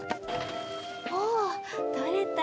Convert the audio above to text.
おお取れた。